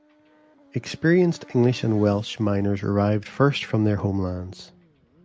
Experienced English and Welsh miners arrived first from their home lands.